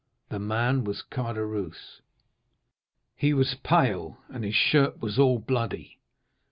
"The man was Caderousse—he was pale and his shirt was all bloody.